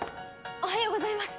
おはようございます。